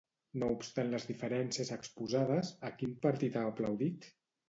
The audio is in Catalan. No obstant les diferències exposades, a quin partit ha aplaudit?